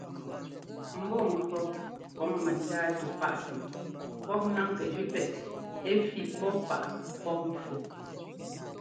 Mbɔ́ŋkʉɔ́ kɔŋ mɛntáa tʉ́ páꞌtɛ pɔ́p náŋ kɛ jʉ́ pɛ́ꞌɛ ɛ́ fí pɔ́ páꞌ pɔ́p mpfú.